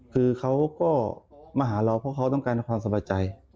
คือเขาก็มาหาเราเพราะเขาต้องการความสบายใจ